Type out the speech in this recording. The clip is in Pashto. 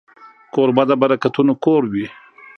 کوربه د برکتونو کور وي.